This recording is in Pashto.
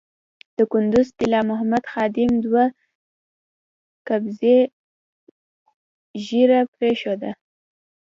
د کندز طلا محمد خادم دوه قبضې ږیره پرېښوده.